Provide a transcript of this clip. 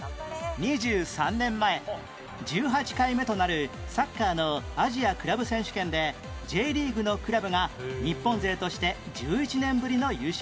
２３年前１８回目となるサッカーのアジアクラブ選手権で Ｊ リーグのクラブが日本勢として１１年ぶりの優勝